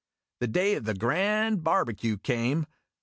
The day of the grand barbecue came.